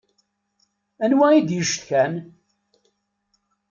Anwa i d-yecetkan?